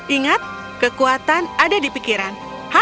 ingat kekuatan ada di pikiran